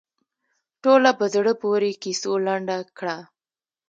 ټوله په زړه پورې کیسو لنډه کړه.